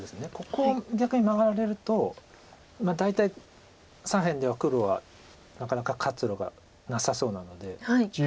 ここを逆にマガられると大体左辺では黒はなかなか活路がなさそうなので。